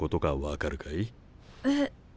えっ？